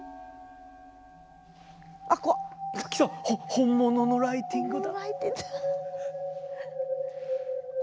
本物のライティングだ！